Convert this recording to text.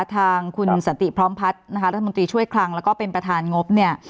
ทางคุณสันติพร้อมพัฒน์นะคะรัฐมนตรีช่วยคลังแล้วก็เป็นประธานงบเนี่ย